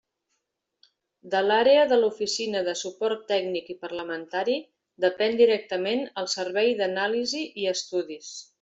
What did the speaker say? De l'Àrea de l'Oficina de Suport Tècnic i Parlamentari depèn directament el Servei d'Anàlisi i Estudis.